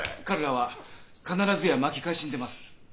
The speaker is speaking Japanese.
彼らは必ずや巻き返しに出ます。